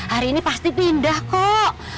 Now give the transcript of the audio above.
hari ini pasti pindah kok